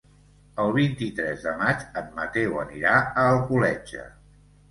El vint-i-tres de maig en Mateu anirà a Alcoletge.